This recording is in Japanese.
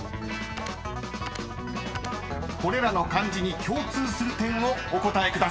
［これらの漢字に共通する点をお答えください］